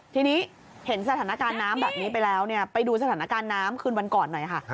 ทีนี้เห็นสถานการณ์น้ำแบบนี้ไปแล้วไปดูสถานการณ์น้ำคืนวันก่อนหน่อยค่ะ